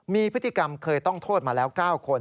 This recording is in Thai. มีพฤติกรรมเคยต้องโทษมาแล้ว๙คน